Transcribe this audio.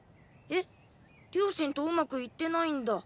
両親とうまくいってないんだ？